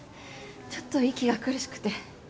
ちょっと息が苦しくて。